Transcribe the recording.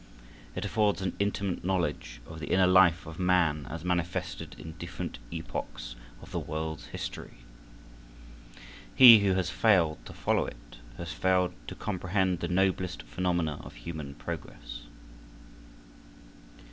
It affords an intimate knowledge of the inner life of man as manifested in different epochs of the world's history. He who has failed to follow it has failed to comprehend the noblest phenomena of human progress.